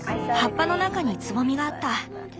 葉っぱの中につぼみがあった。